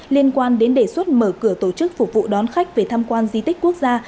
liên quan đến đề xuất mở cửa tổ chức phục vụ đón khách về tham quan di tích quốc gia